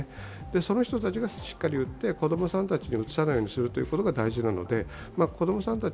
その人たちがしっかり打って、子供さんたちにうつさないようにするのが大事なので子供さんたち